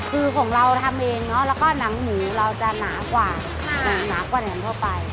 คือของเราทำเองเนอะแล้วก็หนังหมูเราจะหนากว่าหนังหนากว่าแหนมทั่วไป